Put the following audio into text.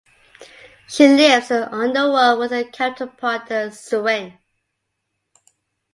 She lives in the underworld with her counterpart the sirin.